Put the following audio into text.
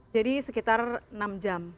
jadi sekitar enam jam